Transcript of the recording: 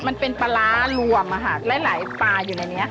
มันเป็นปลาร้ารวมหลายปลาอยู่ในนี้